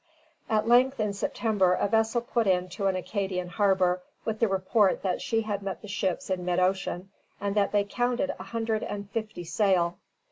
At length in September a vessel put in to an Acadian harbor with the report that she had met the ships in mid ocean, and that they counted a hundred and fifty sail.